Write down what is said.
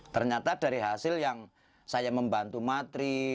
ternyata dari hasil yang saya membantu matri